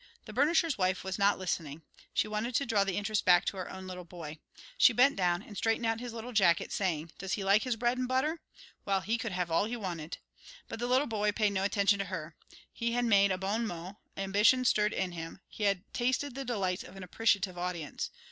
The burnisher's wife was not listening. She wanted to draw the interest back to her own little boy. She bent down and straightened out his little jacket, saying, "Does he like his bread 'n butter? Well, he could have all he wanted!" But the little boy paid no attention to her. He had made a bon mot, ambition stirred in him, he had tasted the delights of an appreciative audience.